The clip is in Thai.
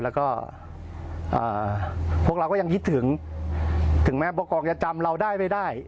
แล้วก็พวกเราก็ยังคิดถึงถึงแม้ผู้กองจะจำเราได้ไม่ได้